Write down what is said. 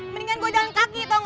mendingan gua jalan kaki tau ga